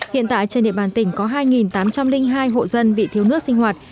hiện tại trên địa bàn tỉnh có hai tám trăm linh hai hộ dân bị thiếu nước sinh hoạt